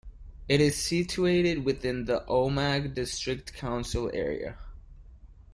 It is situated within the Omagh District Council area.